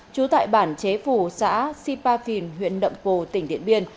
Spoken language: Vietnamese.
trú tại bản chế phủ xã sipa phìn huyện đậm pồ tỉnh điện biên